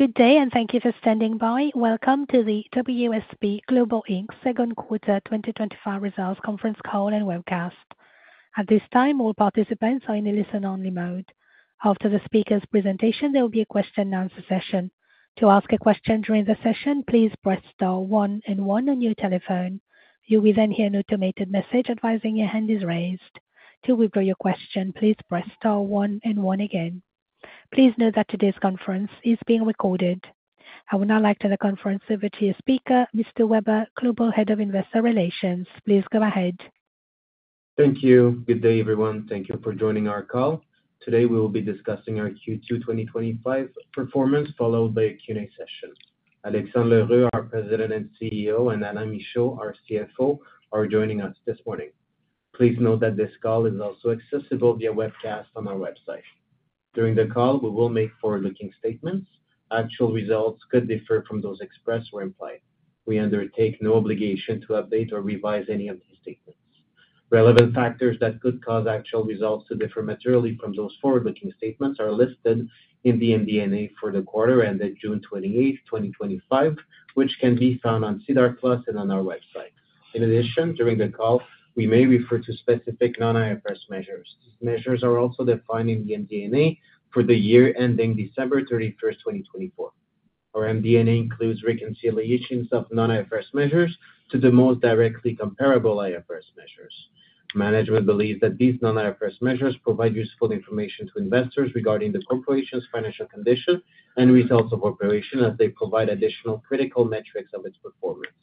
Good day and thank you for standing by. Welcome to the WSP Global Inc. second quarter 2024 results conference call and webcast. At this time, all participants are in a listen-only mode. After the speaker's presentation, there will be a question and answer session. To ask a question during the session, please press star one and one on your telephone. You will then hear an automated message advising your hand is raised. To withdraw your question, please press star one and one again. Please note that today's conference is being recorded. I would now like to turn the conference over to your speaker, Mr. Weber, Global Head of Investor Relations. Please go ahead. Thank you. Good day, everyone. Thank you for joining our call. Today, we will be discussing our Q2 2025 performance, followed by a Q&A session. Alexandre L'Heureux, our President and CEO, and Alain Michaud, our CFO, are joining us this morning. Please note that this call is also accessible via webcast on our website. During the call, we will make forward-looking statements. Actual results could differ from those expressed or implied. We undertake no obligation to update or revise any of these statements. Relevant factors that could cause actual results to differ materially from those forward-looking statements are listed in the MD&A for the quarter ended June 28, 2025, which can be found on SEDAR+ and on our website. In addition, during the call, we may refer to specific non-IFRS measures. These measures are also defined in the MD&A for the year ending December 31, 2024. Our MD&A includes reconciliations of non-IFRS measures to the most directly comparable IFRS measures. Management believes that these non-IFRS measures provide useful information to investors regarding the corporation's financial condition and results of operation as they provide additional critical metrics of its performance.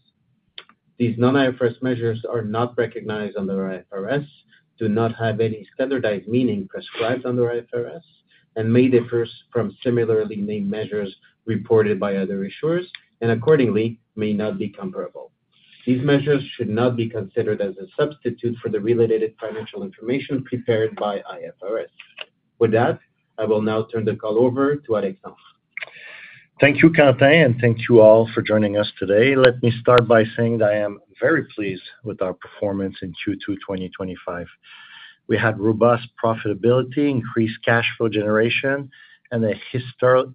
These non-IFRS measures are not recognized under IFRS, do not have any standardized meaning prescribed under IFRS, and may differ from similarly named measures reported by other issuers and accordingly may not be comparable. These measures should not be considered as a substitute for the related financial information prepared by IFRS. With that, I will now turn the call over to Alexandre. Thank you, Quentin, and thank you all for joining us today. Let me start by saying that I am very pleased with our performance in Q2 2025. We had robust profitability, increased cash flow generation, and a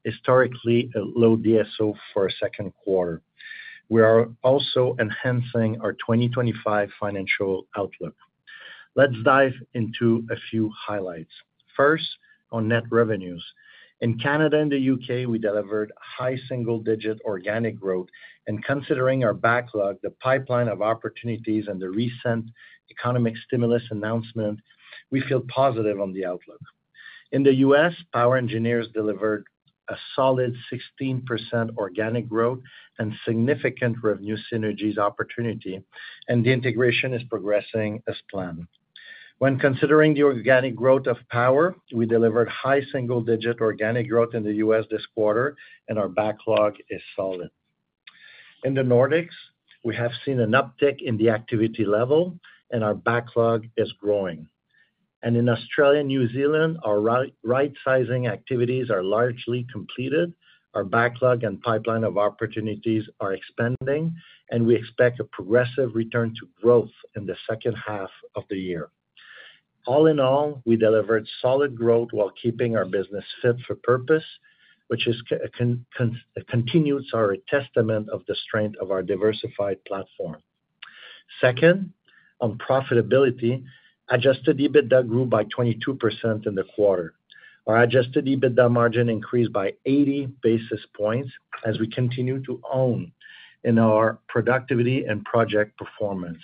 historically low DSO for a second quarter. We are also enhancing our 2025 financial outlook. Let's dive into a few highlights. First, on net revenues. In Canada and the U.K., we delivered high single-digit organic growth, and considering our backlog, the pipeline of opportunities, and the recent economic stimulus announcement, we feel positive on the outlook. In the U.S., POWER Engineers delivered a solid 16% organic growth and significant revenue synergies opportunity, and the integration is progressing as planned. When considering the organic growth of POWER, we delivered high single-digit organic growth in the U.S. this quarter, and our backlog is solid. In the Nordics, we have seen an uptick in the activity level, and our backlog is growing. In Australia and New Zealand, our rightsizing activities are largely completed, our backlog and pipeline of opportunities are expanding, and we expect a progressive return to growth in the second half of the year. All in all, we delivered solid growth while keeping our business fit for purpose, which is a continued testament of the strength of our diversified platform. Second, on profitability, adjusted EBITDA grew by 22% in the quarter. Our adjusted EBITDA margin increased by 80 basis points as we continue to own in our productivity and project performance.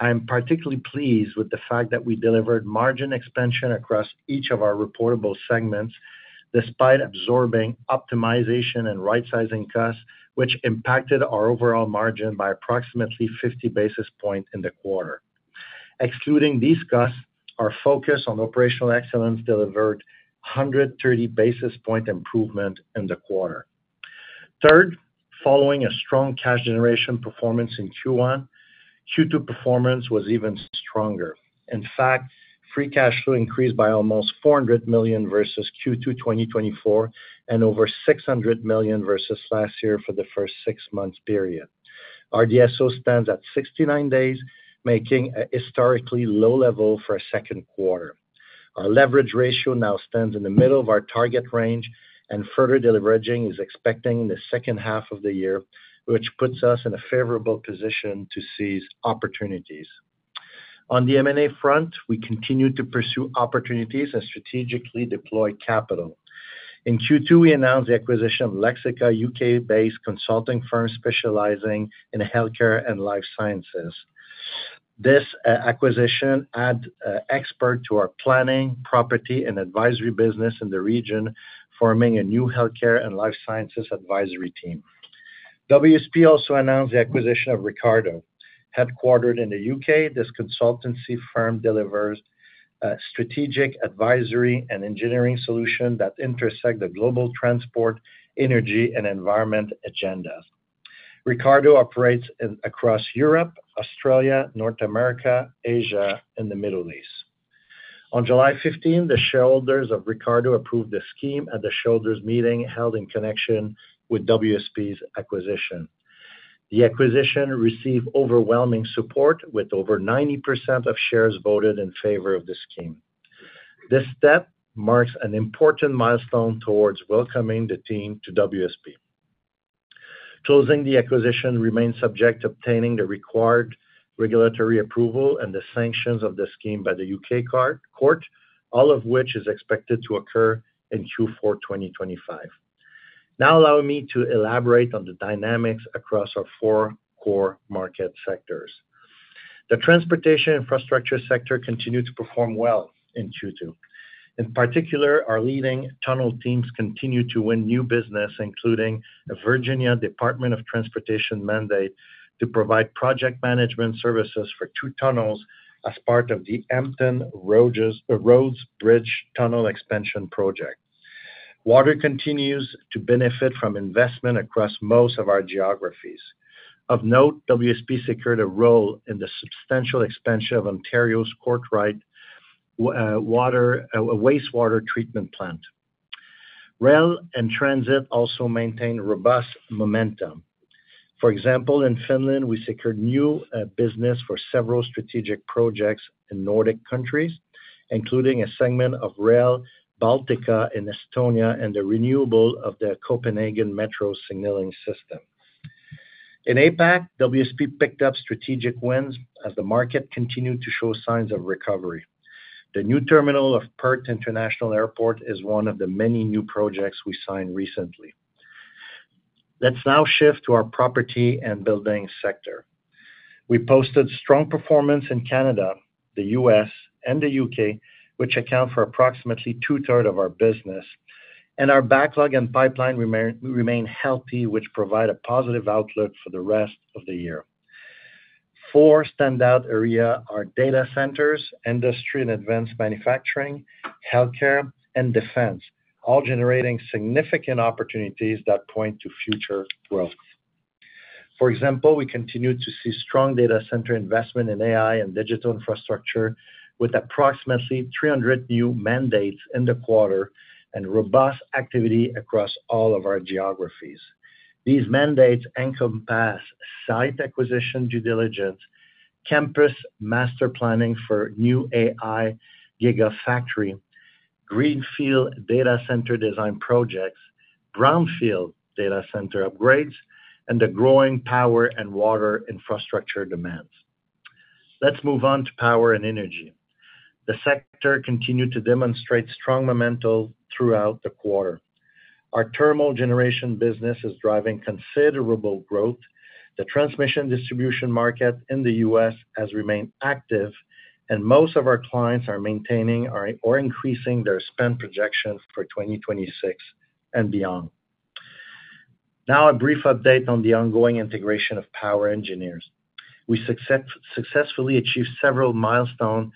I am particularly pleased with the fact that we delivered margin expansion across each of our reportable segments despite absorbing optimization and rightsizing costs, which impacted our overall margin by approximately 50 basis points in the quarter. Excluding these costs, our focus on operational excellence delivered 130 basis point improvement in the quarter. Third, following a strong cash generation performance in Q1, Q2 performance was even stronger. In fact, free cash flow increased by almost $400 million versus Q2 2024 and over $600 million versus last year for the first six months period. Our DSO stands at 69 days, making a historically low level for a second quarter. Our leverage ratio now stands in the middle of our target range, and further deliveraging is expected in the second half of the year, which puts us in a favorable position to seize opportunities. On the M&A front, we continue to pursue opportunities and strategically deploy capital. In Q2, we announced the acquisition of Lexica, a U.K.-based consulting firm specializing in healthcare and life sciences. This acquisition adds an expert to our planning, property, and advisory business in the region, forming a new healthcare and life sciences advisory team. WSP also announced the acquisition of Ricardo. Headquartered in the U.K., this consultancy firm delivers strategic advisory and engineering solutions that intersect the global transport, energy, and environment agendas. Ricardo operates across Europe, Australia, North America, Asia, and the Middle East. On July 15th, the shareholders of Ricardo approved the scheme at the shareholders' meeting held in connection with WSP's acquisition. The acquisition received overwhelming support, with over 90% of shares voted in favor of the scheme. This step marks an important milestone towards welcoming the team to WSP. Closing, the acquisition remains subject to obtaining the required regulatory approval and the sanctions of the scheme by the U.K. Court, all of which is expected to occur in Q4 2025. Now, allow me to elaborate on the dynamics across our four core market sectors. The transportation infrastructure sector continued to perform well in Q2. In particular, our leading tunnel teams continue to win new business, including a Virginia Department of Transportation mandate to provide project management services for two tunnels as part of the Hampton Roads Bridge-Tunnel Expansion Project. Water continues to benefit from investment across most of our geographies. Of note, WSP secured a role in the substantial expansion of Ontario's Courtright Wastewater Treatment Plant. Rail and transit also maintain robust momentum. For example, in Finland, we secured new business for several strategic projects in Nordic countries, including a segment of Rail Baltica in Estonia and the renewal of the Copenhagen Metro signaling system. In APAC, WSP picked up strategic wins as the market continued to show signs of recovery. The new terminal of Perth International Airport is one of the many new projects we signed recently. Let's now shift to our property and building sector. We posted strong performance in Canada, the U.S., and the U.K., which account for approximately two-thirds of our business, and our backlog and pipeline remain healthy, which provide a positive outlook for the rest of the year. Four standout areas are data centers, industry and advanced manufacturing, healthcare, and defense, all generating significant opportunities that point to future growth. For example, we continue to see strong data center investment in AI and digital infrastructure, with approximately 300 new mandates in the quarter and robust activity across all of our geographies. These mandates encompass site acquisition due diligence, campus master planning for new AI gigafactory, greenfield data center design projects, brownfield data center upgrades, and the growing power and water infrastructure demands. Let's move on to power and energy. The sector continued to demonstrate strong momentum throughout the quarter. Our thermal generation business is driving considerable growth. The transmission distribution market in the U.S. has remained active, and most of our clients are maintaining or increasing their spend projections for 2026 and beyond. Now, a brief update on the ongoing integration of POWER Engineers. We successfully achieved several milestones,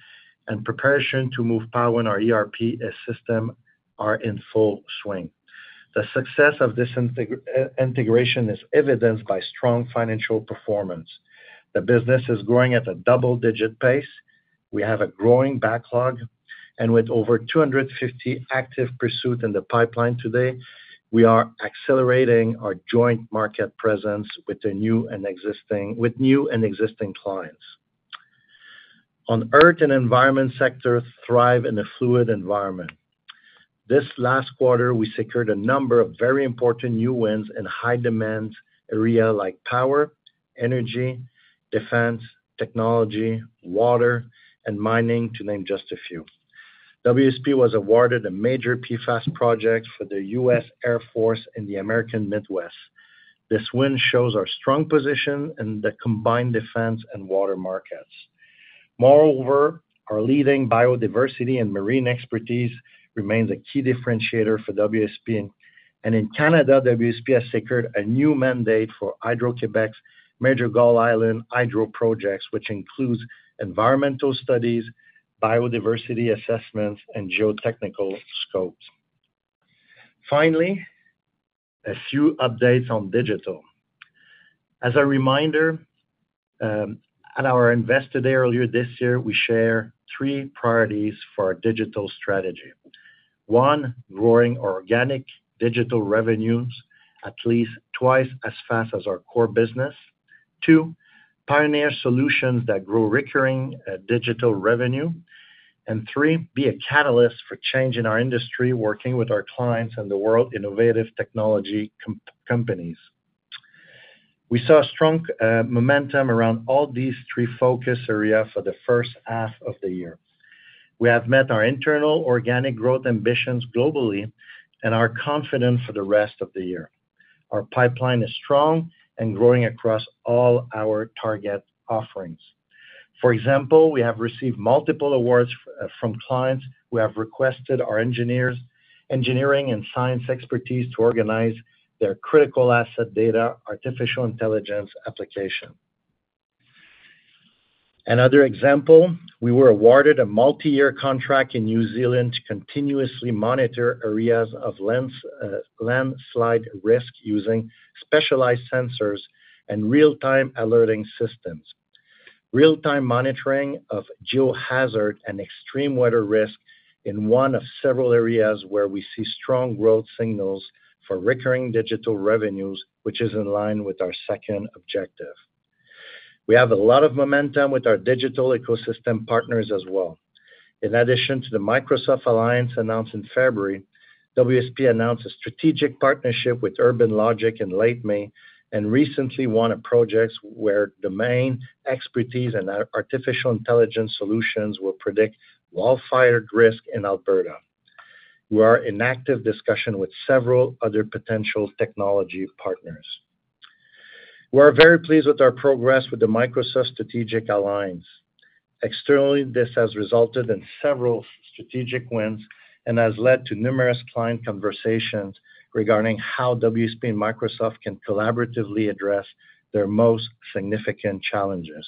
and preparations to move POWER in our ERP system are in full swing. The success of this integration is evidenced by strong financial performance. The business is growing at a double-digit pace. We have a growing backlog, and with over 250 active pursuits in the pipeline today, we are accelerating our joint market presence with new and existing clients. On Earth and environment, sectors thrive in a fluid environment. This last quarter, we secured a number of very important new wins in high-demand areas like power, energy, defense, technology, water, and mining, to name just a few. WSP was awarded a major PFAS project for the U.S. Air Force in the American Midwest. This win shows our strong position in the combined defense and water markets. Moreover, our leading biodiversity and marine expertise remains a key differentiator for WSP, and in Canada, WSP has secured a new mandate for Hydro-Québec's major Gull Island hydro projects, which includes environmental studies, biodiversity assessments, and geotechnical scopes. Finally, a few updates on digital. As a reminder, at our invested area this year, we share three priorities for our digital strategy. One, growing organic digital revenues at least twice as fast as our core business. Two, pioneer solutions that grow recurring digital revenue. Three, be a catalyst for change in our industry, working with our clients and the world's innovative technology companies. We saw strong momentum around all these three focus areas for the first half of the year. We have met our internal organic growth ambitions globally and are confident for the rest of the year. Our pipeline is strong and growing across all our target offerings. For example, we have received multiple awards from clients who have requested our engineering and science expertise to organize their critical asset data artificial intelligence application. Another example, we were awarded a multi-year contract in New Zealand to continuously monitor areas of landslide risk using specialized sensors and real-time alerting systems. Real-time monitoring of geohazard and extreme weather risk is one of several areas where we see strong growth signals for recurring digital revenues, which is in line with our second objective. We have a lot of momentum with our digital ecosystem partners as well. In addition to the Microsoft Alliance announced in February, WSP announced a strategic partnership with Urban Logic in late May and recently won a project where domain expertise and artificial intelligence solutions will predict wildfire risk in Alberta. We are in active discussion with several other potential technology partners. We are very pleased with our progress with the Microsoft Strategic Alliance. Externally, this has resulted in several strategic wins and has led to numerous client conversations regarding how WSP and Microsoft can collaboratively address their most significant challenges.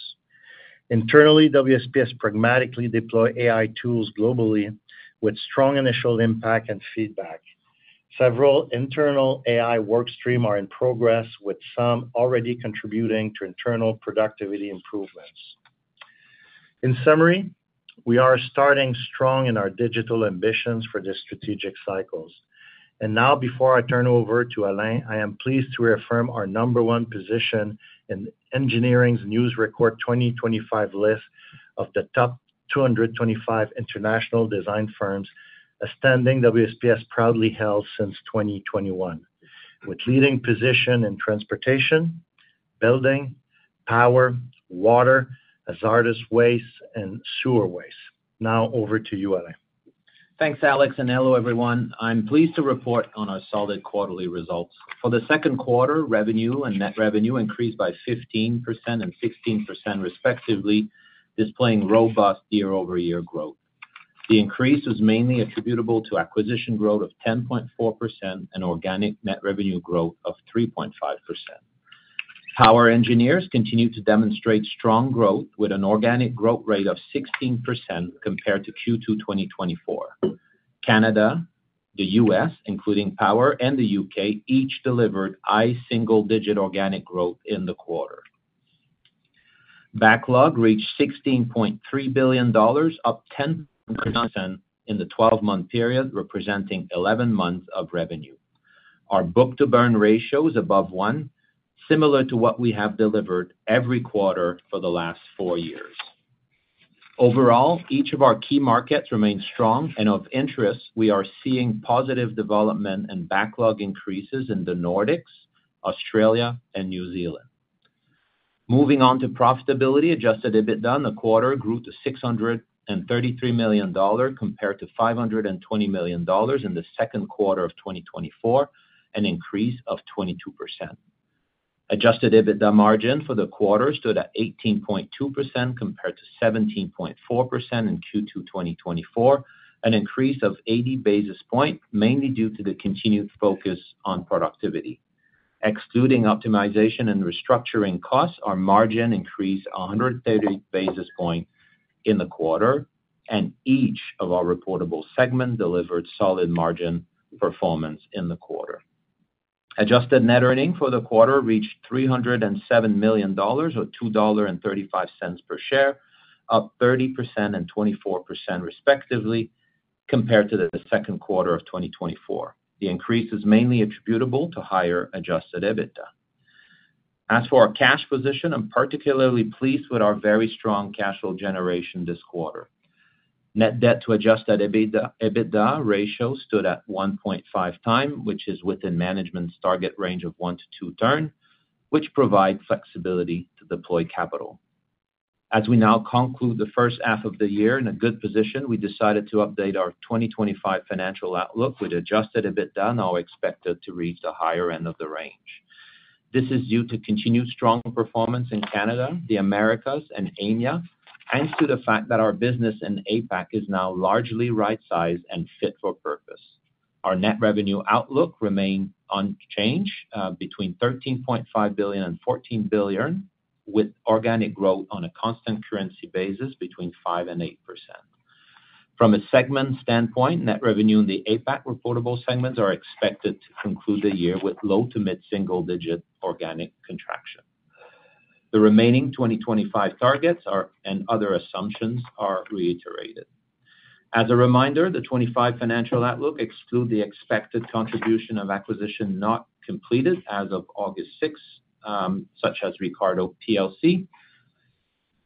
Internally, WSP has pragmatically deployed AI tools globally with strong initial impact and feedback. Several internal AI workstreams are in progress, with some already contributing to internal productivity improvements. In summary, we are starting strong in our digital ambitions for the strategic cycles. Now, before I turn over to Alain, I am pleased to reaffirm our number one position in Engineering News-Record 2025 list of the top 225 international design firms, a standing WSP has proudly held since 2021, with leading position in transportation, building, power, water, hazardous waste, and sewer waste. Now, over to you, Alain. Thanks, Alex, and hello, everyone. I'm pleased to report on our solid quarterly results. For the second quarter, revenue and net revenue increased by 15% and 16% respectively, displaying robust year-over-year growth. The increase is mainly attributable to acquisition growth of 10.4% and organic net revenue growth of 3.5%. POWER Engineers continue to demonstrate strong growth with an organic growth rate of 16% compared to Q2 2024. Canada, the U.S., including power, and the U.K. each delivered high single-digit organic growth in the quarter. Backlog reached $16.3 billion, up 10% in the 12-month period, representing 11 months of revenue. Our book-to-burn ratio is above one, similar to what we have delivered every quarter for the last four years. Overall, each of our key markets remains strong, and of interest, we are seeing positive development and backlog increases in the Nordics, Australia, and New Zealand. Moving on to profitability, adjusted EBITDA in the quarter grew to $633 million compared to $520 million in the second quarter of 2024, an increase of 22%. Adjusted EBITDA margin for the quarter stood at 18.2% compared to 17.4% in Q2 2024, an increase of 80 basis points, mainly due to the continued focus on productivity. Excluding optimization and restructuring costs, our margin increased 130 basis points in the quarter, and each of our reportable segments delivered solid margin performance in the quarter. Adjusted net earnings for the quarter reached $307 million, or $2.35 per share, up 30% and 24% respectively, compared to the second quarter of 2024. The increase is mainly attributable to higher adjusted EBITDA. As for our cash position, I'm particularly pleased with our very strong cash flow generation this quarter. Net debt to adjusted EBITDA ratio stood at 1.5 times, which is within management's target range of one to two times, which provides flexibility to deploy capital. As we now conclude the first half of the year in a good position, we decided to update our 2025 financial outlook with adjusted EBITDA now expected to reach the higher end of the range. This is due to continued strong performance in Canada, the Americas, and EMEA, and to the fact that our business in APAC is now largely rightsized and fit for purpose. Our net revenue outlook remains unchanged between $13.5 billion and $14 billion, with organic growth on a constant currency basis between 5% and 8%. From a segment standpoint, net revenue in the APAC reportable segments is expected to conclude the year with low to mid-single-digit organic contraction. The remaining 2025 targets and other assumptions are reiterated. As a reminder, the 2025 financial outlook excludes the expected contribution of acquisitions not completed as of August 6, such as Ricardo plc.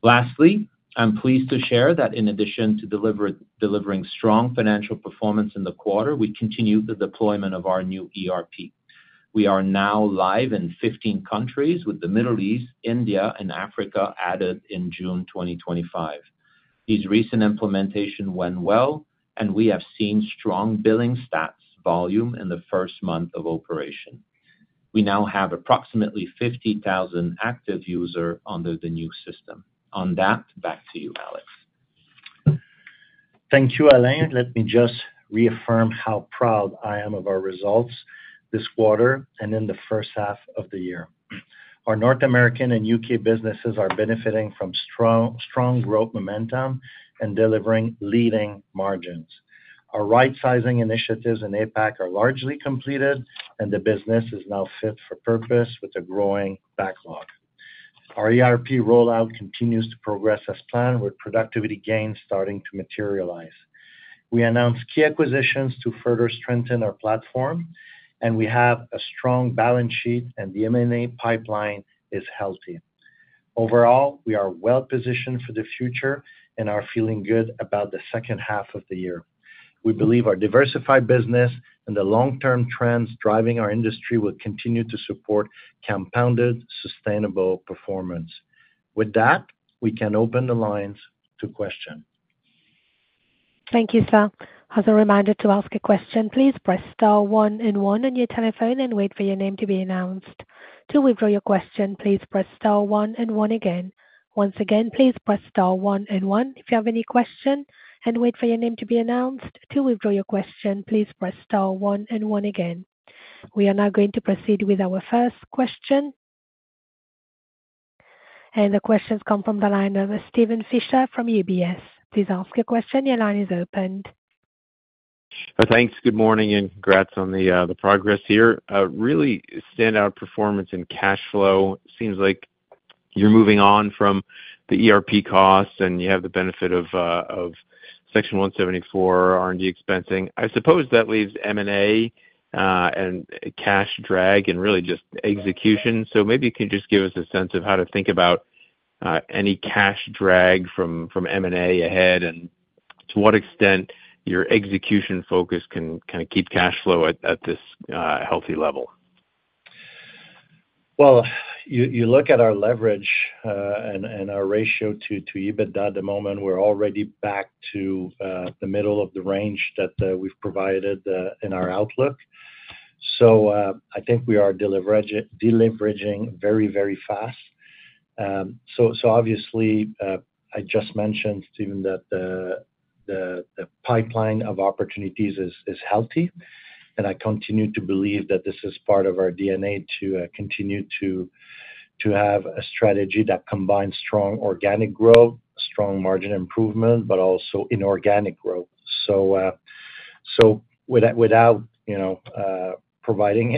Lastly, I'm pleased to share that in addition to delivering strong financial performance in the quarter, we continue the deployment of our new ERP. We are now live in 15 countries, with the Middle East, India, and Africa added in June 2025. These recent implementations went well, and we have seen strong billing stats volume in the first month of operation. We now have approximately 50,000 active users under the new system. On that, back to you, Alex. Thank you, Alain. Let me just reaffirm how proud I am of our results this quarter and in the first half of the year. Our North American and U.K. businesses are benefiting from strong growth momentum and delivering leading margins. Our rightsizing initiatives in APAC are largely completed, and the business is now fit for purpose with a growing backlog. Our ERP rollout continues to progress as planned, with productivity gains starting to materialize. We announced key acquisitions to further strengthen our platform, and we have a strong balance sheet, and the M&A pipeline is healthy. Overall, we are well positioned for the future and are feeling good about the second half of the year. We believe our diversified business and the long-term trends driving our industry will continue to support compounded sustainable performance. With that, we can open the lines to questions. Thank you, Alex. As a reminder to ask a question, please press star one and one on your telephone and wait for your name to be announced. To withdraw your question, please press star one and one again. Once again, please press star one and one if you have any questions and wait for your name to be announced. To withdraw your question, please press star one and one again. We are now going to proceed with our first question. The questions come from the line of Steven Fisher from UBS. Please ask your question. Your line is opened. Oh, thanks. Good morning and congrats on the progress here. Really standout performance in cash flow, seems like you're moving on from the ERP costs and you have the benefit of Section 174 R&D expensing. I suppose that leaves M&A and cash drag and really just execution. Maybe you can just give us a sense of how to think about any cash drag from M&A ahead and to what extent your execution focus can kind of keep cash flow at this healthy level. You look at our leverage and our ratio to EBITDA at the moment, we're already back to the middle of the range that we've provided in our outlook. I think we are deliveraging very, very fast. I just mentioned to him that the pipeline of opportunities is healthy, and I continue to believe that this is part of our DNA to continue to have a strategy that combines strong organic growth, strong margin improvement, but also inorganic growth. Without providing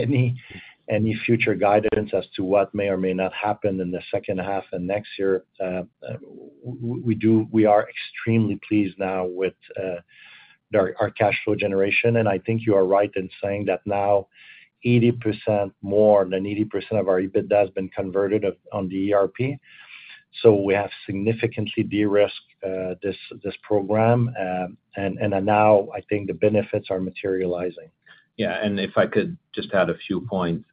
any future guidance as to what may or may not happen in the second half and next year, we are extremely pleased now with our cash flow generation. I think you are right in saying that now 80%, more than 80% of our EBITDA has been converted on the ERP. We have significantly de-risked this program, and now I think the benefits are materializing. Yeah, and if I could just add a few points.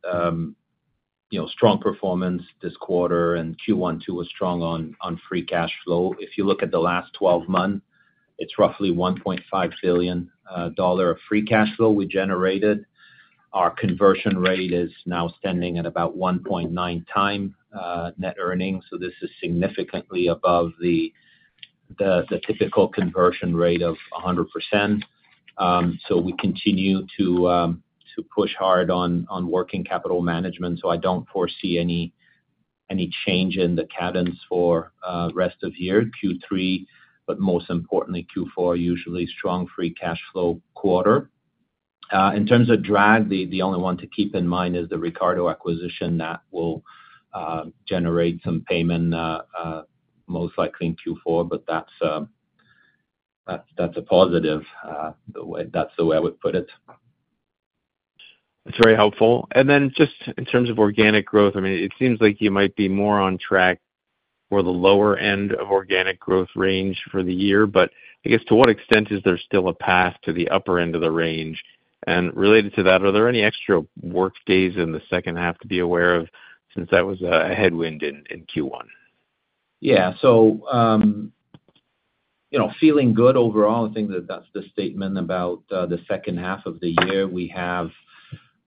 Strong performance this quarter, and Q1 too was strong on free cash flow. If you look at the last 12 months, it's roughly $1.5 billion of free cash flow we generated. Our conversion rate is now standing at about 1.9 times net earnings, so this is significantly above the typical conversion rate of 100%. We continue to push hard on working capital management, so I don't foresee any change in the cadence for the rest of the year, Q3, but most importantly, Q4, usually strong free cash flow quarter. In terms of drag, the only one to keep in mind is the Ricardo acquisition that will generate some payment most likely in Q4, but that's a positive. That's the way I would put it. That's very helpful. In terms of organic growth, I mean, it seems like you might be more on track for the lower end of organic growth range for the year, but I guess to what extent is there still a path to the upper end of the range? Related to that, are there any extra work days in the second half to be aware of since that was a headwind in Q1? Yeah, so feeling good overall, I think that that's the statement about the second half of the year. We have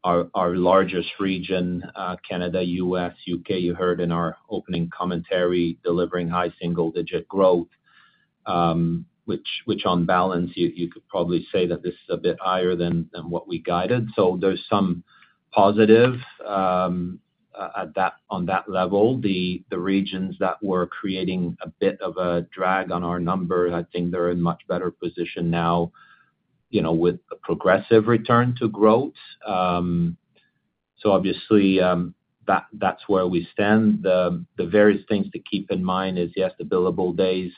our largest region, Canada, U.S., U.K., you heard in our opening commentary, delivering high single-digit growth, which on balance, you could probably say that this is a bit higher than what we guided. There's some positive on that level. The regions that were creating a bit of a drag on our numbers, I think they're in a much better position now with a progressive return to growth. Obviously, that's where we stand. The various things to keep in mind is, yes, the billable days,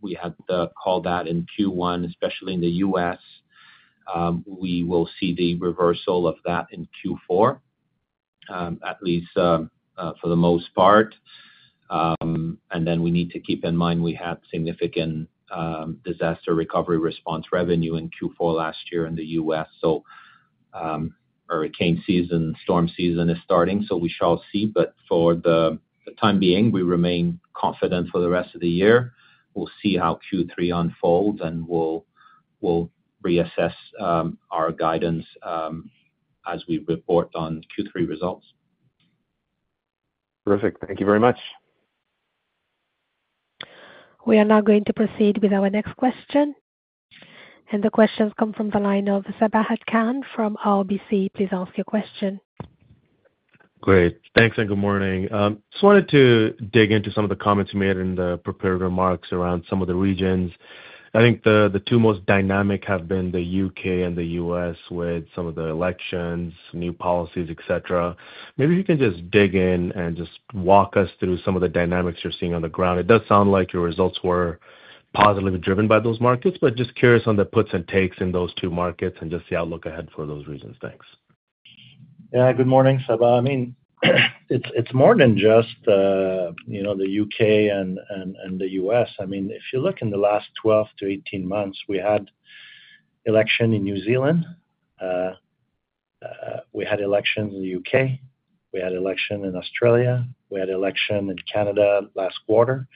we had to call that in Q1, especially in the U.S. We will see the reversal of that in Q4, at least for the most part. We need to keep in mind we had significant disaster recovery response revenue in Q4 last year in the U.S. Hurricane season, storm season is starting, so we shall see. For the time being, we remain confident for the rest of the year. We'll see how Q3 unfolds, and we'll reassess our guidance as we report on Q3 results. Perfect. Thank you very much. We are now going to proceed with our next question. The questions come from the line of Sabahat Khan from RBC. Please ask your question. Great. Thanks and good morning. I just wanted to dig into some of the comments you made in the prepared remarks around some of the regions. I think the two most dynamic have been the U.K. and the U.S. with some of the elections, new policies, etc. Maybe you can just dig in and just walk us through some of the dynamics you're seeing on the ground. It does sound like your results were positively driven by those markets, but just curious on the puts and takes in those two markets and just the outlook ahead for those reasons. Thanks. Yeah, good morning, Saba. It's more than just the U.K. and the U.S. If you look in the last 12 to 18 months, we had elections in New Zealand, we had elections in the U.K., we had elections in Australia, we had elections in Canada last quarter,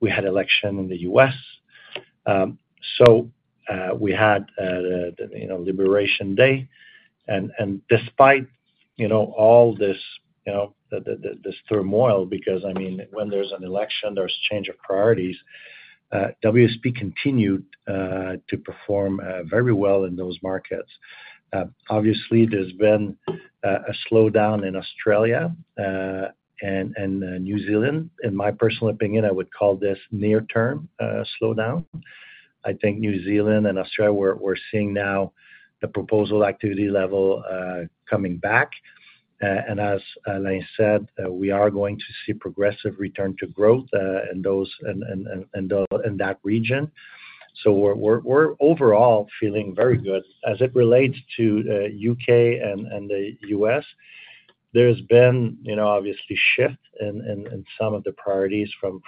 we had elections in the U.S. We had Liberation Day. Despite all this turmoil, because when there's an election, there's a change of priorities, WSP continued to perform very well in those markets. Obviously, there's been a slowdown in Australia and New Zealand. In my personal opinion, I would call this a near-term slowdown. I think New Zealand and Australia, we're seeing now the proposal activity level coming back. As Alain said, we are going to see progressive return to growth in that region. We're overall feeling very good. As it relates to the U.K. and the U.S., there's been a shift in some of the priorities from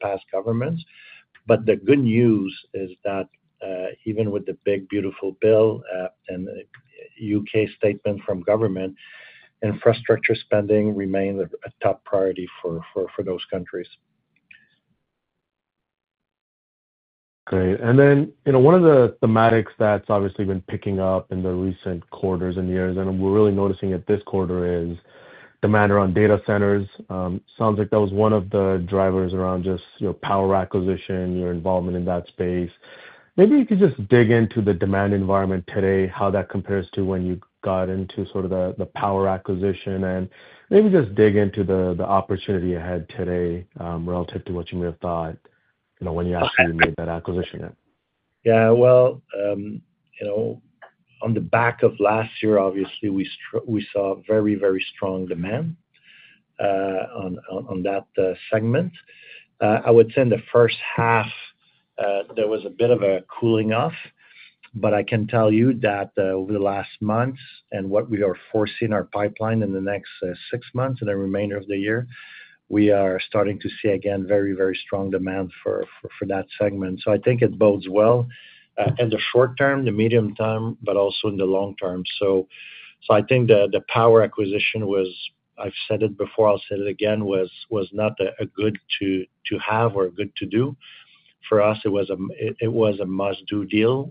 past governments. The good news is that even with the big, beautiful bill and the U.K. statement from government, infrastructure spending remains a top priority for those countries. Great. One of the thematics that's obviously been picking up in the recent quarters and years, and we're really noticing it this quarter, is demand around data centers. It sounds like that was one of the drivers around just POWER Engineers acquisition, your involvement in that space. Maybe you could just dig into the demand environment today, how that compares to when you got into sort of the POWER Engineers acquisition, and maybe just dig into the opportunity ahead today relative to what you may have thought when you actually made that acquisition. On the back of last year, obviously, we saw very, very strong demand on that segment. I would say in the first half, there was a bit of a cooling off. I can tell you that over the last months and what we are foreseeing in our pipeline in the next six months and the remainder of the year, we are starting to see again very, very strong demand for that segment. I think it bodes well in the short term, the medium term, but also in the long term. I think the POWER acquisition was, I've said it before, I'll say it again, was not a good to have or a good to do. For us, it was a must-do deal.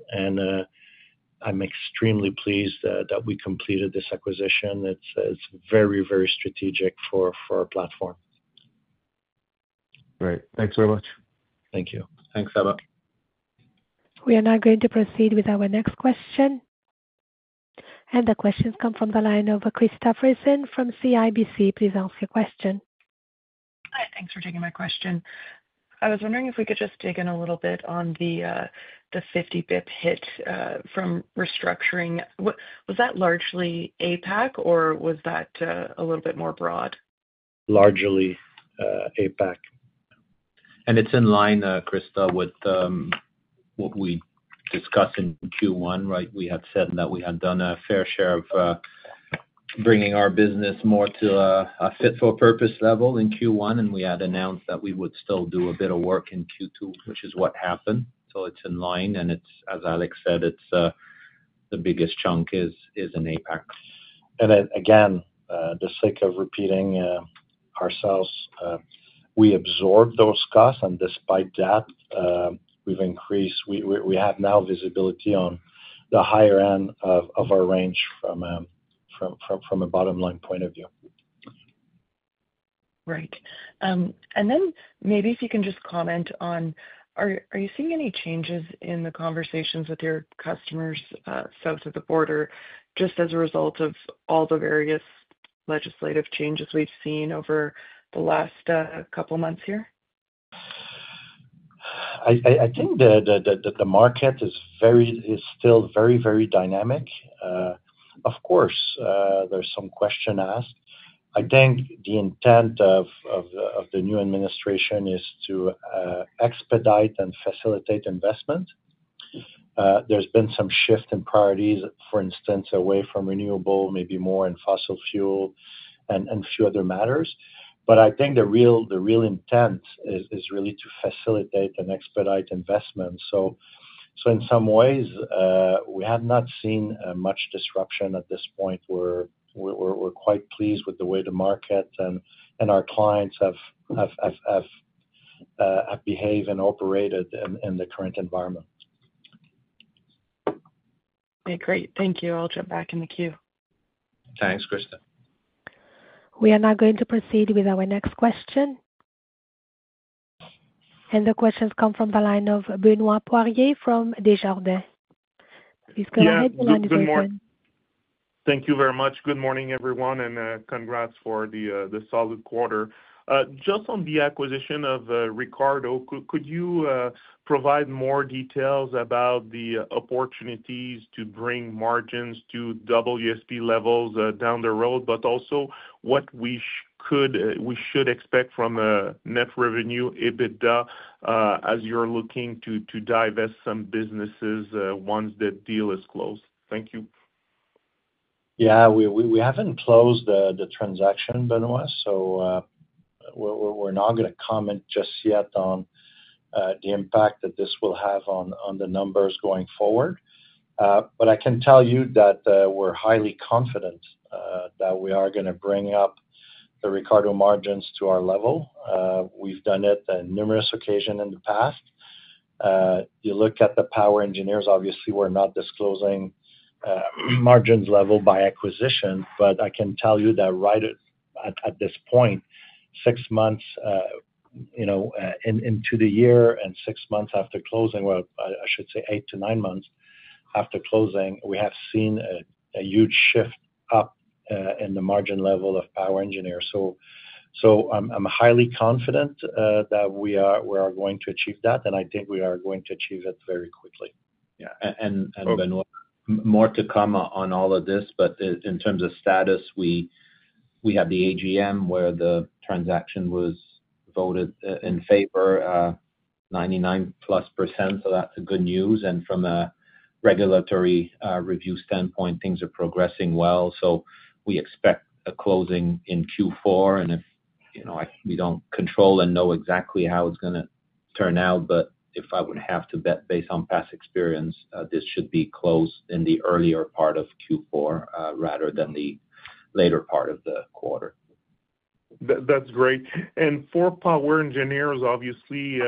I'm extremely pleased that we completed this acquisition. It's very, very strategic for our platform. Great. Thanks very much. Thank you. Thanks, Saba. We are now going to proceed with our next question. The questions come from the line of Krista Frison from CIBC. Please ask your question. Hi, thanks for taking my question. I was wondering if we could just dig in a little bit on the 50 bps hit from restructuring. Was that largely APAC, or was that a little bit more broad? Largely APAC. It's in line, Krista, with what we discussed in Q1, right? We had said that we had done a fair share of bringing our business more to a fit-for-purpose level in Q1, and we had announced that we would still do a bit of work in Q2, which is what happened. It's in line, and as Alex said, the biggest chunk is in APAC. Again, for the sake of repeating ourselves, we absorbed those costs, and despite that, we've increased, we have now visibility on the higher end of our range from a bottom-line point of view. Right. Maybe if you can just comment on, are you seeing any changes in the conversations with your customers south of the border just as a result of all the various legislative changes we've seen over the last couple of months here? I think that the market is still very, very dynamic. Of course, there's some questions asked. I think the intent of the new administration is to expedite and facilitate investment. There's been some shift in priorities, for instance, away from renewable, maybe more in fossil fuel, and a few other matters. I think the real intent is really to facilitate and expedite investment. In some ways, we have not seen much disruption at this point. We're quite pleased with the way the market and our clients have behaved and operated in the current environment. Okay, great. Thank you. I'll jump back in the queue. Thanks, Krista. We are now going to proceed with our next question. The questions come from the line of Benoît Poirier from Desjardins. Please go ahead and answer if you want. Thank you very much. Good morning, everyone, and congrats for the solid quarter. Just on the acquisition of Ricardo, could you provide more details about the opportunities to bring margins to WSP levels down the road, but also what we could or should expect from a net revenue EBITDA as you're looking to divest some businesses once that deal is closed? Thank you. Yeah, we haven't closed the transaction, Benoit, so we're not going to comment just yet on the impact that this will have on the numbers going forward. I can tell you that we're highly confident that we are going to bring up the Ricardo margins to our level. We've done it on numerous occasions in the past. You look at the POWER Engineers, obviously, we're not disclosing margins level by acquisition, but I can tell you that at this point, six months into the year and six months after closing, I should say eight to nine months after closing, we have seen a huge shift up in the margin level of POWER Engineers. I am highly confident that we are going to achieve that, and I think we are going to achieve it very quickly. Yeah, and Benoit, more to come on all of this. In terms of status, we have the AGM where the transaction was voted in favor, 99+%, so that's good news. From a regulatory review standpoint, things are progressing well. We expect a closing in Q4, and we don't control and know exactly how it's going to turn out, but if I would have to bet based on past experience, this should be closed in the earlier part of Q4 rather than the later part of the quarter. That's great. For POWER Engineers, obviously,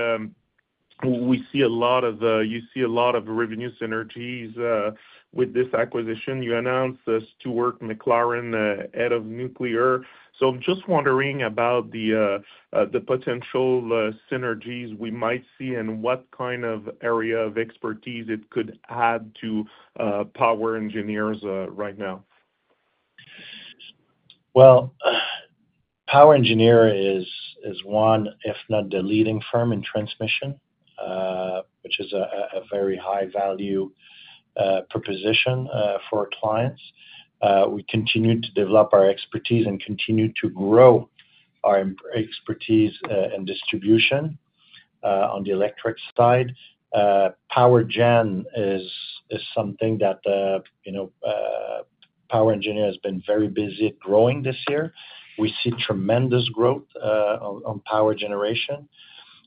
we see a lot of, you see a lot of revenue synergies with this acquisition. You announced Stuart McLaren, Head of Nuclear. I'm just wondering about the potential synergies we might see and what kind of area of expertise it could add to POWER Engineers right now. POWER Engineers is one, if not the leading firm in transmission, which is a very high-value proposition for our clients. We continue to develop our expertise and continue to grow our expertise in distribution on the electric side. POWER Gen is something that POWER Engineers has been very busy growing this year. We see tremendous growth on power generation.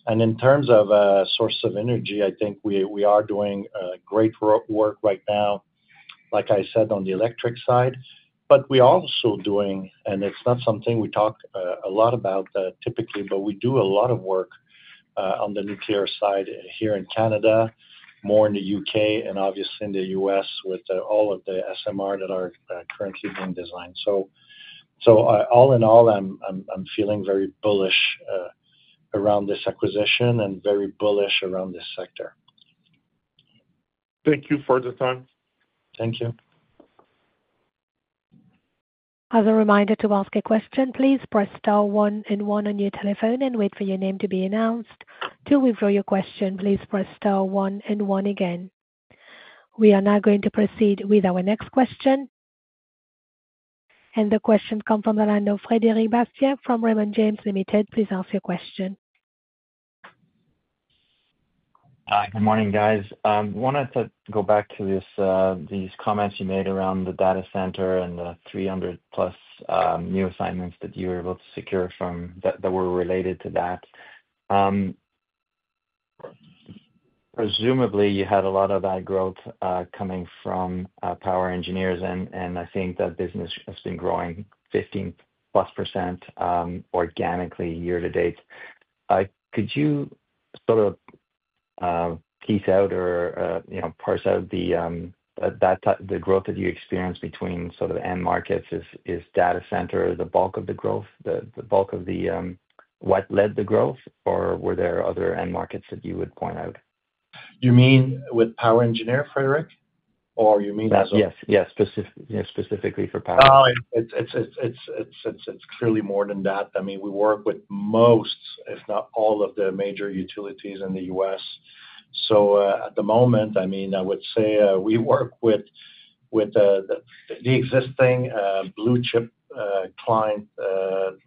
In terms of sources of energy, I think we are doing great work right now, like I said, on the electric side. We are also doing, and it's not something we talk a lot about typically, a lot of work on the nuclear side here in Canada, more in the U.K., and obviously in the U.S. with all of the SMR projects that are currently being designed. All in all, I'm feeling very bullish around this acquisition and very bullish around this sector. Thank you for the time. Thank you. As a reminder to ask a question, please press star one and one on your telephone and wait for your name to be announced. To withdraw your question, please press star one and one again. We are now going to proceed with our next question. The questions come from the line of Frédéric Bastien from Raymond James Limited. Please ask your question. Good morning, guys. I wanted to go back to these comments you made around the data center and the 300+ new assignments that you were able to secure that were related to that. Presumably, you had a lot of that growth coming from POWER Engineers, and I think that business has been growing 15+% organically year to date. Could you sort of tease out or parse out the growth that you experienced between end markets? Is data center the bulk of the growth, the bulk of what led the growth, or were there other end markets that you would point out? You mean with POWER Engineers, Frederic, or you mean? Yes, yes, specifically for Power. It is clearly more than that. I mean, we work with most, if not all, of the major utilities in the U.S. At the moment, I would say we work with the existing blue chip client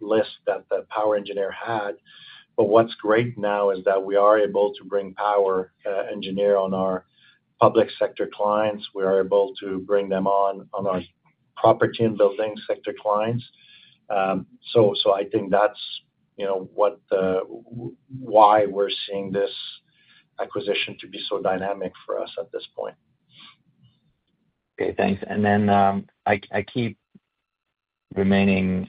list that POWER Engineers had. What's great now is that we are able to bring POWER Engineers on our public sector clients. We are able to bring them on our property and building sector clients. I think that's why we're seeing this acquisition to be so dynamic for us at this point. Okay, thanks. I keep remaining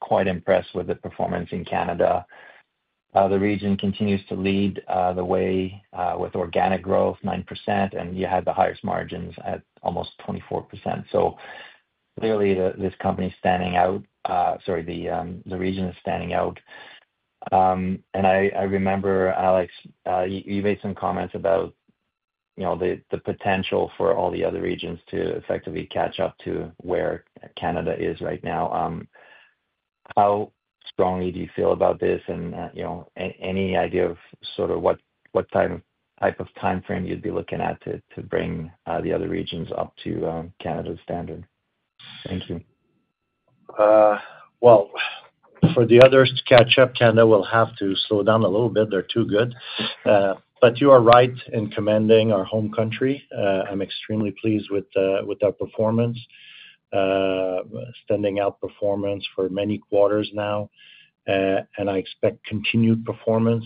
quite impressed with the performance in Canada. The region continues to lead the way with organic growth, 9%, and you had the highest margins at almost 24%. Clearly, this company is standing out. Sorry, the region is standing out. I remember, Alex, you made some comments about the potential for all the other regions to effectively catch up to where Canada is right now. How strongly do you feel about this and any idea of sort of what type of timeframe you'd be looking at to bring the other regions up to Canada's standard? Thank you. For the others to catch up, Canada will have to slow down a little bit. They're too good. You are right in commending our home country. I'm extremely pleased with our performance, standing out performance for many quarters now. I expect continued performance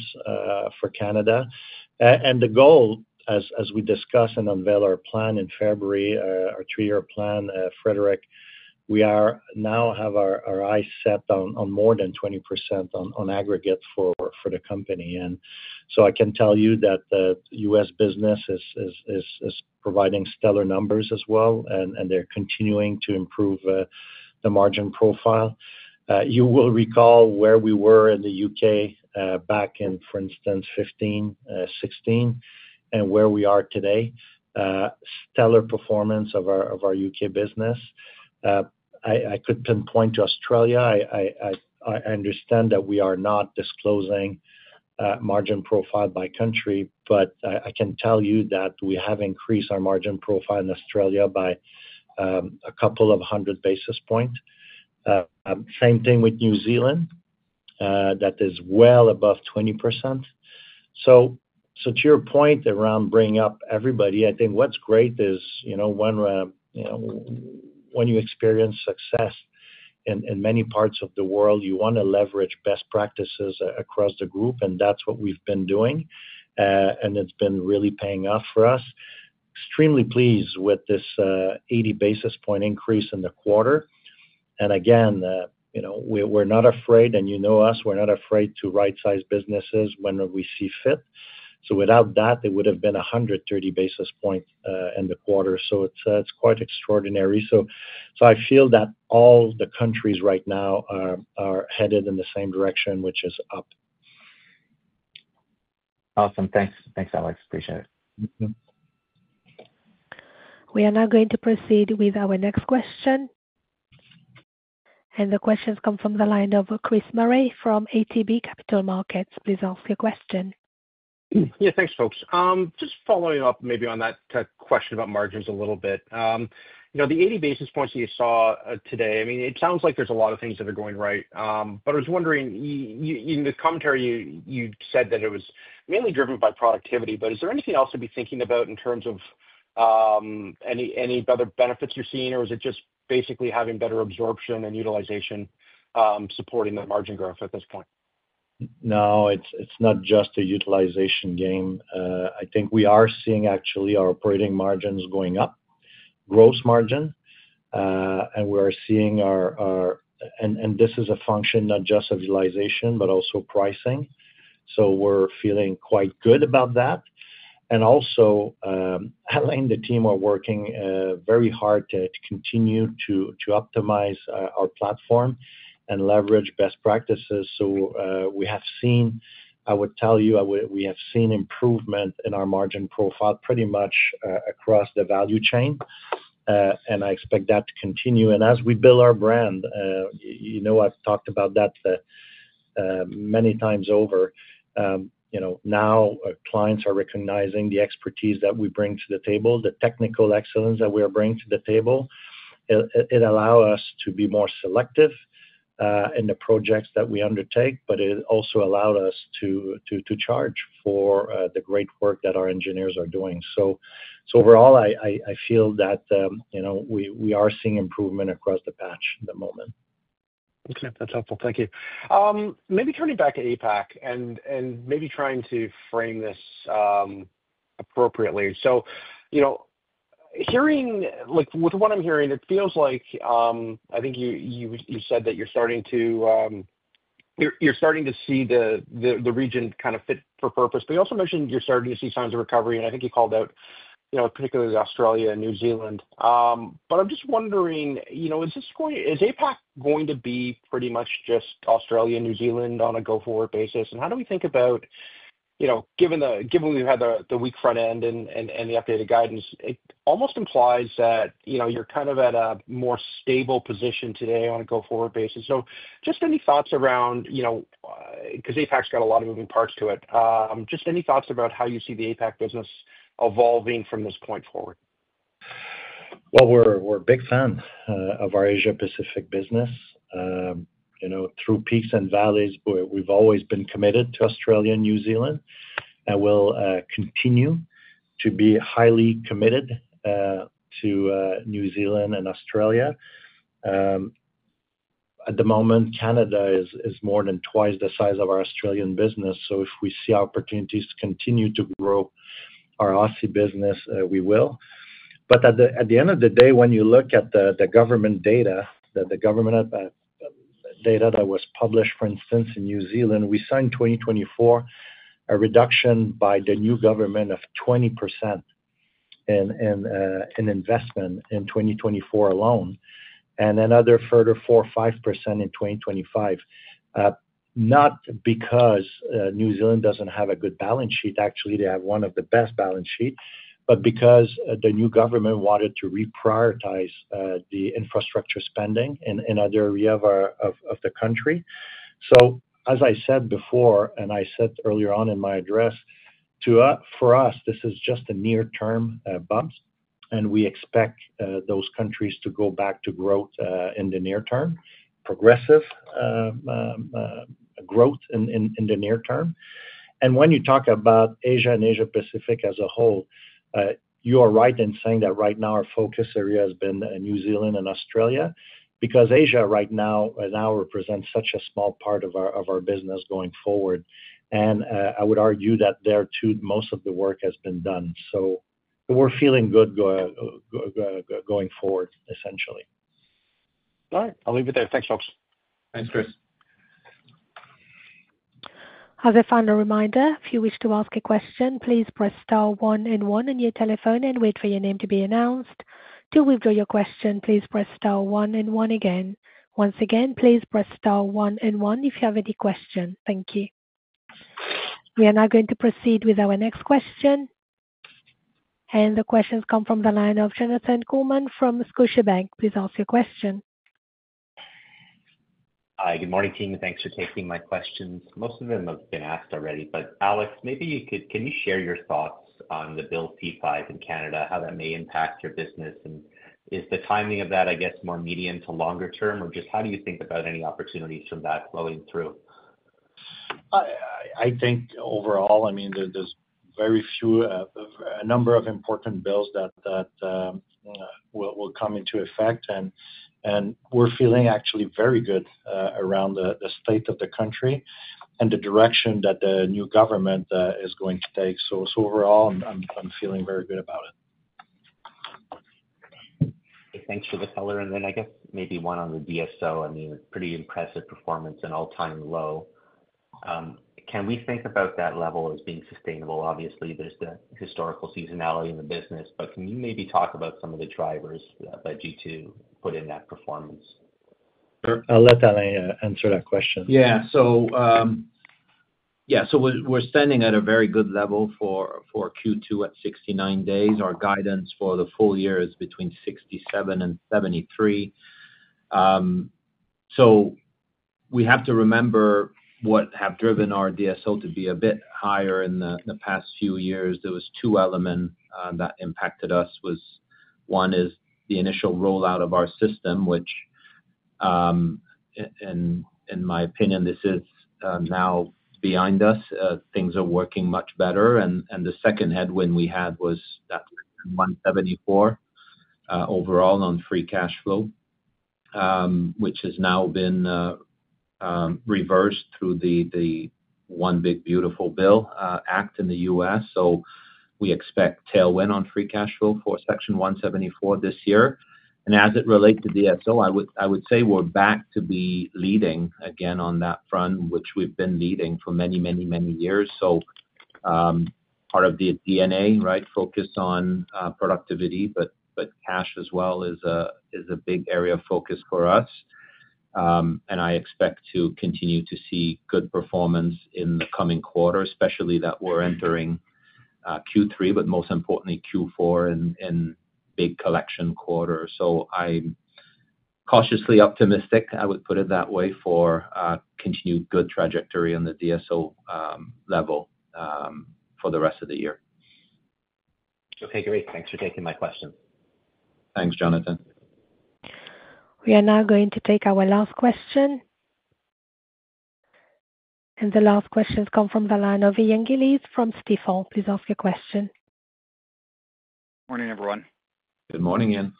for Canada. The goal, as we discuss and unveil our plan in February, our three-year plan, Frederic, we now have our eyes set on more than 20% on aggregate for the company. I can tell you that the U.S. business is providing stellar numbers as well, and they're continuing to improve the margin profile. You will recall where we were in the U.K. back in, for instance, 2015, 2016, and where we are today. Stellar performance of our U.K. business. I could pinpoint to Australia. I understand that we are not disclosing margin profile by country, but I can tell you that we have increased our margin profile in Australia by a couple of hundred basis points. Same thing with New Zealand. That is well above 20%. To your point around bringing up everybody, I think what's great is when you experience success in many parts of the world, you want to leverage best practices across the group, and that's what we've been doing. It's been really paying off for us. Extremely pleased with this 80 basis point increase in the quarter. We're not afraid, and you know us, we're not afraid to rightsize businesses when we see fit. Without that, it would have been 130 basis points in the quarter. It's quite extraordinary. I feel that all the countries right now are headed in the same direction, which is up. Awesome. Thanks, Alex. Appreciate it. We are now going to proceed with our next question. The questions come from the line of Chris Murray from ATB Capital Markets. Please ask your question. Yeah, thanks, folks. Just following up maybe on that question about margins a little bit. You know, the 80 basis points that you saw today, it sounds like there's a lot of things that are going right. I was wondering, in the commentary, you said that it was mainly driven by productivity. Is there anything else to be thinking about in terms of any other benefits you're seeing, or is it just basically having better absorption and utilization supporting the margin growth at this point? No, it's not just a utilization game. I think we are seeing actually our operating margins going up, gross margin, and we are seeing our, and this is a function not just of utilization, but also pricing. We're feeling quite good about that. Also, Alain and the team are working very hard to continue to optimize our platform and leverage best practices. We have seen, I would tell you, we have seen improvement in our margin profile pretty much across the value chain. I expect that to continue. As we build our brand, you know I've talked about that many times over. Now, clients are recognizing the expertise that we bring to the table, the technical excellence that we are bringing to the table. It allows us to be more selective in the projects that we undertake, but it also allows us to charge for the great work that our engineers are doing. Overall, I feel that we are seeing improvement across the patch at the moment. Okay, that's helpful. Thank you. Maybe turning back to APAC and maybe trying to frame this appropriately. You know, hearing with what I'm hearing, it feels like I think you said that you're starting to see the region kind of fit for purpose. You also mentioned you're starting to see signs of recovery, and I think you called out particularly Australia and New Zealand. I'm just wondering, is APAC going to be pretty much just Australia and New Zealand on a go-forward basis? How do we think about, given we've had the weak front end and the updated guidance, it almost implies that you're kind of at a more stable position today on a go-forward basis. Just any thoughts around, because APAC's got a lot of moving parts to it, just any thoughts about how you see the APAC business evolving from this point forward? We're a big fan of our Asia-Pacific business. Through peaks and valleys, we've always been committed to Australia and New Zealand, and we'll continue to be highly committed to New Zealand and Australia. At the moment, Canada is more than twice the size of our Australian business. If we see opportunities to continue to grow our Aussie business, we will. At the end of the day, when you look at the government data, the government data that was published, for instance, in New Zealand, we signed 2024 a reduction by the new government of 20% in investment in 2024 alone, and another further 4% or 5% in 2025. Not because New Zealand doesn't have a good balance sheet. Actually, they have one of the best balance sheets, but because the new government wanted to reprioritize the infrastructure spending in other areas of the country. As I said before, and I said earlier on in my address, for us, this is just a near-term bump, and we expect those countries to go back to growth in the near term, progressive growth in the near term. When you talk about Asia and Asia-Pacific as a whole, you are right in saying that right now our focus area has been New Zealand and Australia because Asia right now represents such a small part of our business going forward. I would argue that there, too, most of the work has been done. We're feeling good going forward, essentially. All right. I'll leave it there. Thanks, folks. Thanks, Chris. As a final reminder, if you wish to ask a question, please press star one and one on your telephone and wait for your name to be announced. To withdraw your question, please press star one and one again. Once again, please press star one and one if you have any questions. Thank you. We are now going to proceed with our next question. The questions come from the line of Jonathan Kuhlman from Scotiabank. Please ask your question. Hi, good morning, team. Thanks for taking my questions. Most of them have been asked already, but Alex, maybe you could, can you share your thoughts on the Bill C5 in Canada, how that may impact your business? Is the timing of that, I guess, more medium to longer term, or just how do you think about any opportunities from that flowing through? I think overall, there's a number of important bills that will come into effect, and we're feeling actually very good around the state of the country and the direction that the new government is going to take. Overall, I'm feeling very good about it. Thanks for the filler. I guess maybe one on the DSO. I mean, a pretty impressive performance and all-time low. Can we think about that level as being sustainable? Obviously, there's the historical seasonality in the business, but can you maybe talk about some of the drivers that you do put in that performance? Sure. I'll let Alain answer that question. Yeah. We're standing at a very good level for Q2 at 69 days. Our guidance for the full year is between 67 and 73. We have to remember what has driven our DSO to be a bit higher in the past few years. There were two elements that impacted us. One is the initial rollout of our system, which, in my opinion, is now behind us. Things are working much better. The second headwind we had was that 174 overall on free cash flow, which has now been reversed through the One Big Beautiful Bill Act in the U.S. We expect tailwind on free cash flow for Section 174 this year. As it relates to DSO, I would say we're back to be leading again on that front, which we've been leading for many, many, many years. It's part of the DNA, right, focus on productivity, but cash as well is a big area of focus for us. I expect to continue to see good performance in the coming quarter, especially that we're entering Q3, but most importantly, Q4 and big collection quarter. I'm cautiously optimistic, I would put it that way, for continued good trajectory on the DSO level for the rest of the year. Okay, great. Thanks for taking my question. Thanks, Jonathan. We are now going to take our last question. The last questions come from the line of Ian Gillies from City Hall. Please ask your question. Morning, everyone. Good morning, Ian.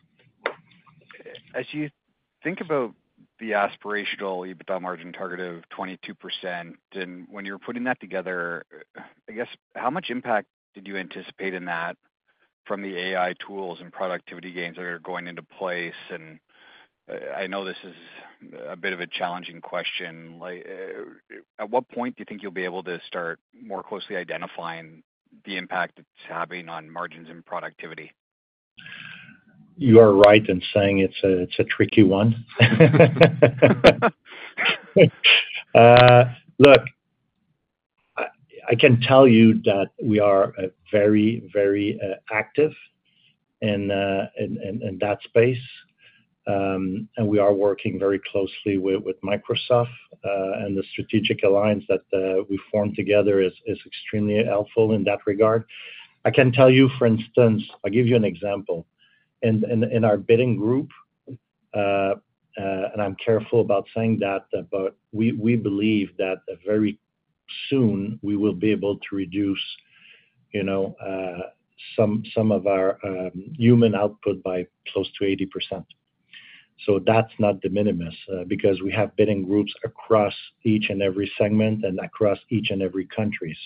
As you think about the aspirational EBITDA margin target of 22%, and when you're putting that together, I guess how much impact did you anticipate in that from the AI tools and productivity gains that are going into place? I know this is a bit of a challenging question. At what point do you think you'll be able to start more closely identifying the impact it's having on margins and productivity? You are right in saying it's a tricky one. Look, I can tell you that we are very, very active in that space. We are working very closely with Microsoft, and the strategic alliance that we formed together is extremely helpful in that regard. I can tell you, for instance, I'll give you an example. In our bidding group, and I'm careful about saying that, but we believe that very soon we will be able to reduce some of our human output by close to 80%. That's not de minimis because we have bidding groups across each and every segment and across each and every country.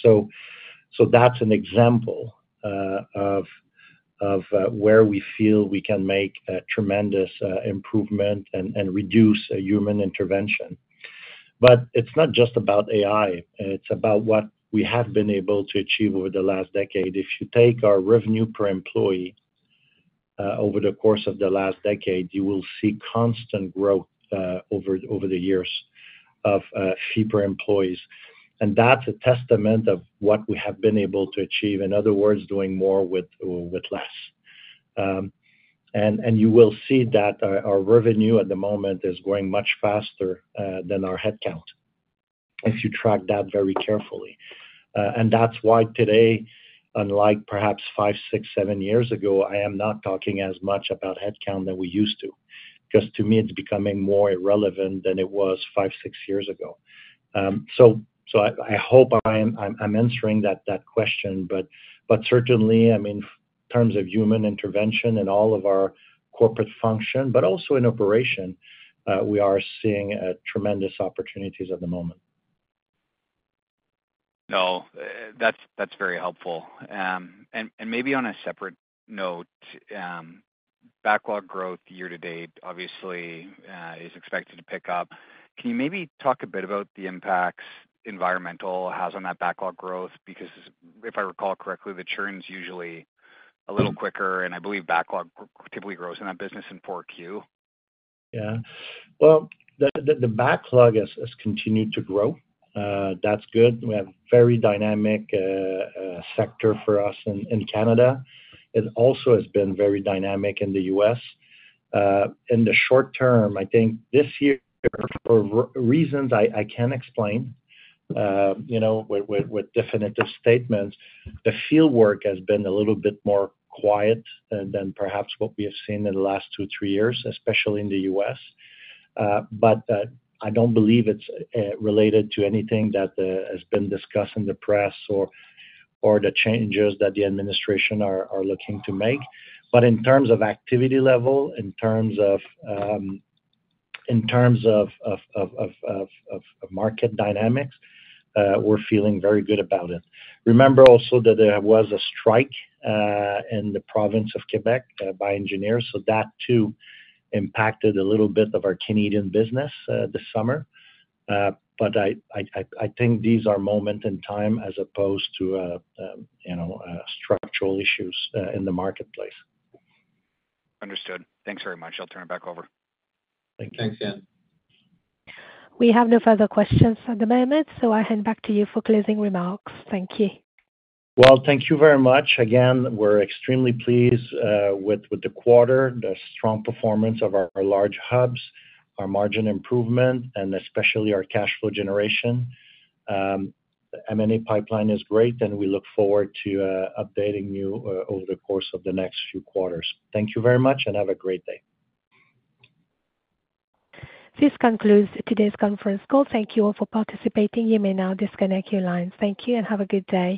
That's an example of where we feel we can make tremendous improvement and reduce human intervention. It's not just about AI. It's about what we have been able to achieve over the last decade. If you take our revenue per employee over the course of the last decade, you will see constant growth over the years of fee per employee. That's a testament of what we have been able to achieve. In other words, doing more with less. You will see that our revenue at the moment is growing much faster than our headcount if you track that very carefully. That's why today, unlike perhaps five, six, seven years ago, I am not talking as much about headcount than we used to. To me, it's becoming more irrelevant than it was five, six years ago. I hope I'm answering that question, but certainly, I mean, in terms of human intervention in all of our corporate function, but also in operation, we are seeing tremendous opportunities at the moment. No, that's very helpful. Maybe on a separate note, backlog growth year to date obviously is expected to pick up. Can you talk a bit about the impacts environmental has on that backlog growth? Because if I recall correctly, the churn is usually a little quicker, and I believe backlog typically grows in that business in 4Q. Yeah. The backlog has continued to grow. That's good. We have a very dynamic sector for us in Canada. It also has been very dynamic in the U.S. In the short term, I think this year, for reasons I can't explain, you know, with definitive statements, the fieldwork has been a little bit more quiet than perhaps what we have seen in the last two or three years, especially in the U.S. I don't believe it's related to anything that has been discussed in the press or the changes that the administration are looking to make. In terms of activity level, in terms of market dynamics, we're feeling very good about it. Remember also that there was a strike in the province of Quebec by engineers. That too impacted a little bit of our Canadian business this summer. I think these are moments in time as opposed to structural issues in the marketplace. Understood. Thanks very much. I'll turn it back over. Thank you. Thanks, Ian. We have no further questions at the moment, so I'll hand back to you for closing remarks. Thank you. Thank you very much. Again, we're extremely pleased with the quarter, the strong performance of our large hubs, our margin improvement, and especially our cash flow generation. M&A pipeline is great, and we look forward to updating you over the course of the next few quarters. Thank you very much and have a great day. This concludes today's conference call. Thank you all for participating. You may now disconnect your lines. Thank you and have a good day.